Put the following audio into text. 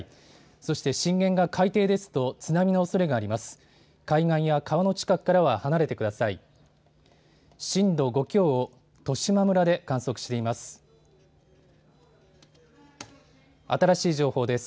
そして震源が海底ですと津波のおそれがあります。